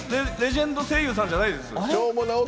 レジェンド声優さんじゃないです。